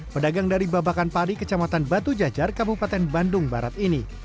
pedagang dari babakan pari kecamatan batu jajar kabupaten bandung barat ini